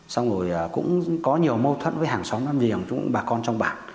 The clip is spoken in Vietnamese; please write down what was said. xong rồi cũng có nhiều mâu thuẫn với hàng xóm hàng giềng chúng bà con trong bảng